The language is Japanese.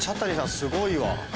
すごいわ。